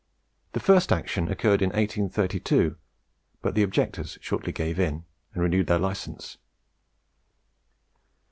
The first action occurred in 1832; but the objectors shortly gave in, and renewed their licence.